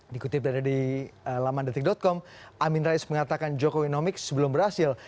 dikutip dari laman detik com amin rais mengatakan jokowi nomics sebelum berhasil